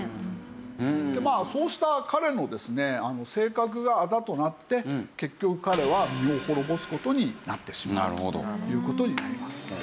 まあそうした彼のですね性格があだとなって結局彼は身を滅ぼす事になってしまうという事になります。